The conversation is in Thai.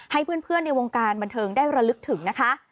ให้เพื่อนในวงการบันเทิงได้ระลึกถึงนะคะ